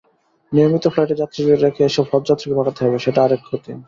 নিয়মিত ফ্লাইটে যাত্রীদের রেখে এসব হজযাত্রীকে পাঠাতে হবে, সেটা আরেক ক্ষতি।